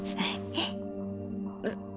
えっ？